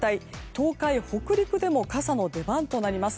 東海・北陸でも傘の出番となります。